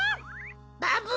バブ。